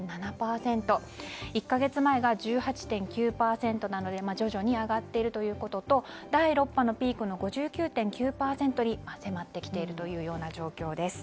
１か月前が１８．９％なので徐々に上がっているということと第６波のピーク、５９．９％に迫ってきているような状況です。